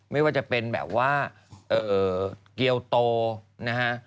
ไม่ว่าจะเป็นแบบว่าเกียวโตนะฮะ